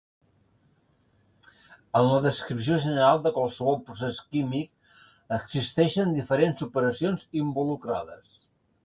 En la descripció general de qualsevol procés químic existeixen diferents operacions involucrades.